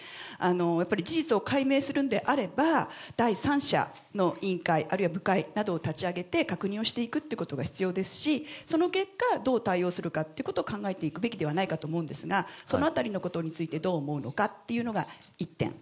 やっぱり事実を解明するんであれば、第三者の委員会、あるいは部会などを立ち上げて確認をしていくということが必要ですし、その結果、どう対応するかっていうことを考えていくべきではないかと思うんですが、そのあたりのことについて、どう思うのかっていうのが１点。